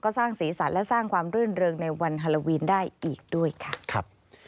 ก็สร้างศีรษะและสร้างความเรื่องในวันฮาโลวีนได้อีกด้วยค่ะ